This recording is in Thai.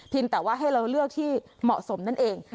แต่ว่าให้เราเลือกที่เหมาะสมนั่นเอง